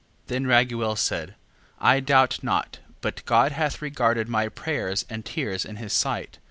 7:13. Then Raguel said: I doubt not but God hath regarded my prayers and tears in his sight.